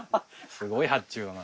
すごい発注だな。